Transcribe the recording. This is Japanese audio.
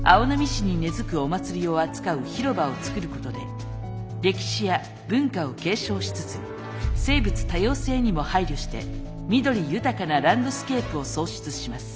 市に根づくお祭りを扱う広場を作ることで歴史や文化を継承しつつ生物多様性にも配慮して緑豊かなランドスケープを創出します。